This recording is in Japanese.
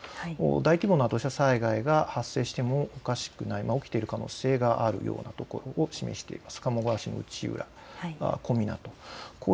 大規模な土砂災害が発生してもおかしくない、起きている可能性があるようなことを示しています。